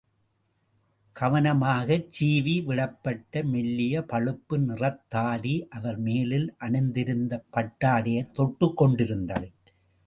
கவனமாகச் சீவி விடப்பட்ட மெல்லிய பழுப்பு நிறத்தாடி அவர் மேலில் அணிந்திருந்த பட்டாடையைத் தொட்டுக் கொண்டிருந்தது.